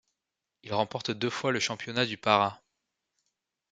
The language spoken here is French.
Il remporte deux fois le championnat du Pará.